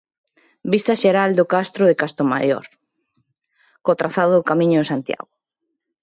Vista xeral do castro de Castromaior, co trazado do Camiño de Santiago.